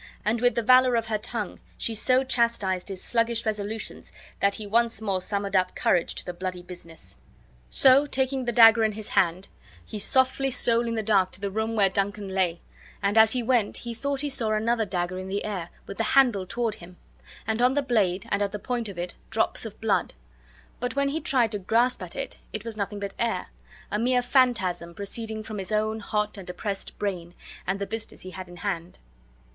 And with the valor of her tongue she so chastised his sluggish resolutions that he once more summoned up courage to the bloody business. So, taking the dagger in his hand, he softly stole in the dark to the room where Duncan lay; and as he went he thought he saw another dagger in the air, with the handle toward him, and on the blade and at the point of it drops of blood; but when be tried to grasp at it it was nothing but air, a mere phantasm proceeding from his own hot and oppressed brain and the business he had in hand.